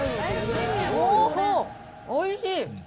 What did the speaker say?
おいしい。